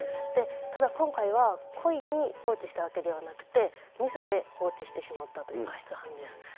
ただ今回は、故意に放置したわけではなくて、ミスで放置してしまったという過失犯です。